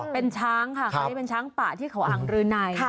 เป็นช้างค่ะคือช้างป่าที่เขาอังรืนัย